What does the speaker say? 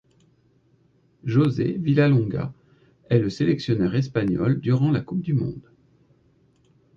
José Villalonga est le sélectionneur espagnol durant la Coupe du monde.